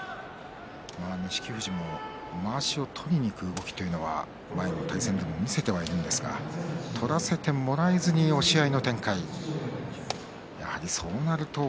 錦富士もまわしを取りにいく動きというのは前の対戦でも見せていましたけども取らせてもらえずに押し合いの展開になりました。